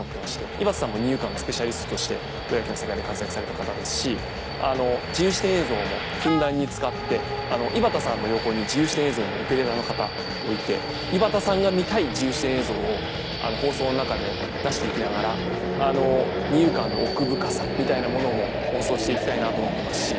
井端さんも二遊間のスペシャリストとしてプロ野球の世界で活躍された方ですし自由視点映像もふんだんに使って井端さんの横に自由視点映像のオペレーターの方置いて井端さんが見たい自由視点映像を放送の中で出していきながら二遊間の奥深さみたいなものを放送していきたいなと思ってますし。